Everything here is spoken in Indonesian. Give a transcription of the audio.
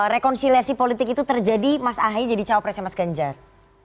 rekonsiliasi politik itu terjadi mas ahi jadi cowok presiden mas genjar